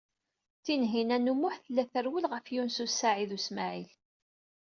Tinhinan u Muḥ tella trewwel ɣef Yunes u Saɛid u Smaɛil.